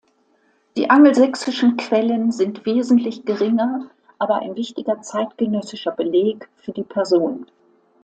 Die angelsächsischen Quellen sind wesentlich geringer, aber ein wichtiger zeitgenössischer Beleg für die Person.